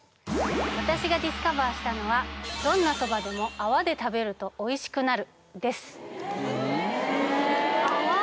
私がディスカバーしたのはどんな蕎麦でも泡で食べるとおいしくなるです・泡？